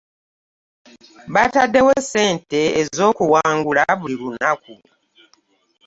Batadewo ssente ez'okuwangula buli lunnaku.